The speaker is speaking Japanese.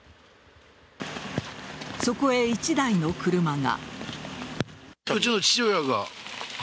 そこへ１台の車が。